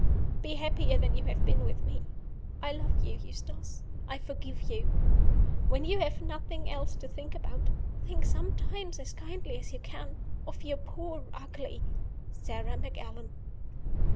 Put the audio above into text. Be happier than you have been with me. I love you, Eustace I forgive you. When you have nothing else to think about, think sometimes, as kindly as you can, of your poor, ugly "SARA MACALLAN."